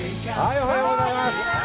おはようございます。